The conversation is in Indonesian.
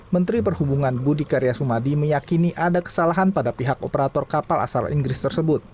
menteri perhubungan budi karya sumadi meyakini ada kesalahan pada pihak operator kapal asal inggris tersebut